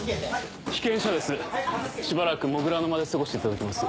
被験者ですしばらく土竜の間で過ごしていただきます。